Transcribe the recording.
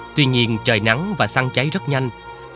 tuy nhiên trời nắng và xăng cháy rất nhanh